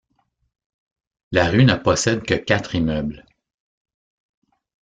La rue ne possède que quatre immeubles.